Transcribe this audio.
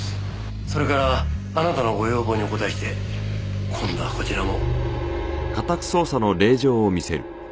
それからあなたのご要望にお応えして今度はこちらも。